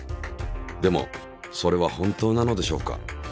でもそれは本当なのでしょうか。